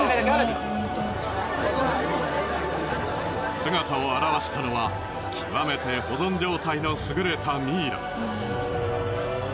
姿を現したのは極めて保存状態の優れたミイラ。